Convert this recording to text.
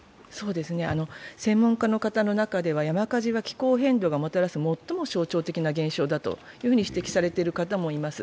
専門家の方の中では山火事は気候変動がもたらす最も象徴的だと指摘されている方もいます。